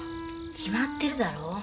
決まってるだろ。